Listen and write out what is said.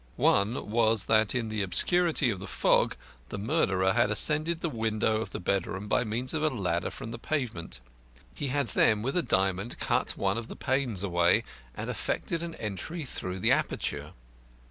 One was that in the obscurity of the fog the murderer had ascended to the window of the bedroom by means of a ladder from the pavement. He had then with a diamond cut one of the panes away, and effected an entry through the aperture.